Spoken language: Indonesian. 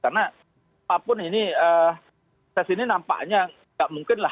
karena apapun ini ses ini nampaknya tidak mungkin lah